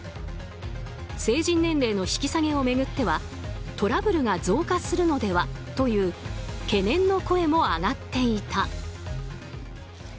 成人年齢の引き下げを巡ってはトラブルが増加するのではという懸念の声も上がっていた。